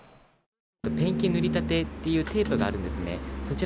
ペンキ塗りたてというテープがあるんですね。